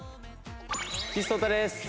岸蒼太です。